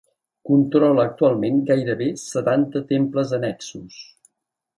Controla actualment gairebé setanta temples annexos.